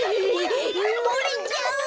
もれちゃう！